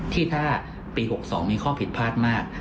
ที่ถ้าปี๖๒มีข้อผิดพลาดมาก